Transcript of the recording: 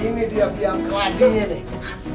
ini dia biang kelabinya nih